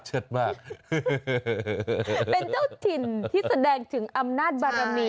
มากเป็นเจ้าถิ่นที่แสดงถึงอำนาจบารมี